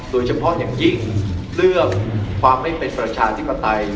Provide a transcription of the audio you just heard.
โดยเฉพาะอย่างยิ่งเรื่องความไม่เป็นประชาธิปไตย